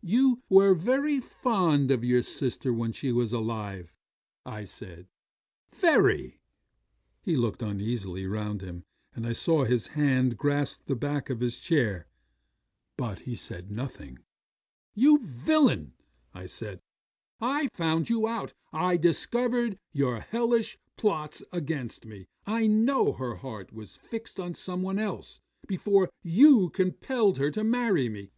'"You were very fond of your sister when she was alive," I said. "Very." 'He looked uneasily round him, and I saw his hand grasp the back of his chair; but he said nothing. '"You villain," said I, "I found you out: I discovered your hellish plots against me; I know her heart was fixed on some one else before you compelled her to marry me.